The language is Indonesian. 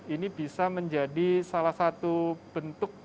ini bisa menjadi salah satu bentuk